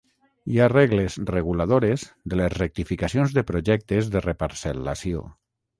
Hi ha regles reguladores de les rectificacions de projectes de reparcel·lació.